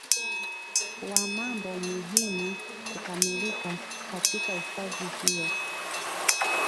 wa mambo muhimu kukamilka Katika hifadhi hiyo